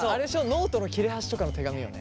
ノートの切れ端とかの手紙よね？